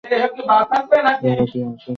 তারও কি হাসির রোগ আছে?